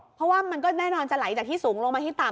เพราะว่ามันก็แน่นอนจะไหลจากที่สูงลงมาที่ต่ำ